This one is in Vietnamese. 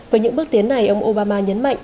với những bước tiến này ông obama nhấn mạnh